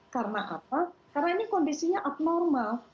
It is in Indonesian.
karena apa karena ini kondisinya abnormal